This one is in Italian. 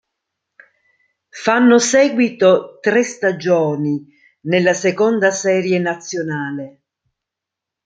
Fanno seguito tre stagioni nella seconda serie nazionale.